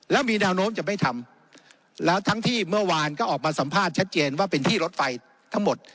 แล้วมีแนวโน้มจะไม่ทำแล้วทั้งที่เมื่อวานก็ออกมาสัมภาษณ์ชัดเจนว่าเป็นที่รถไฟทั้งหมด